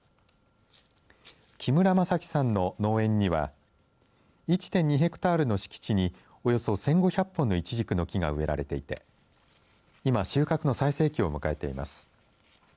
木村正樹さんの農園には１．２ヘクタールの敷地におよそ１５００本のいちじくの木が植えられていて今収穫が最盛期を迎えています。